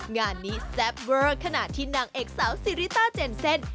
งานนี้แซ่บเวอร์ขณะที่นางเอกสาวซีริต้าเจนเซ่น